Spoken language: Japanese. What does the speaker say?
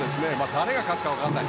誰が勝つか分からない。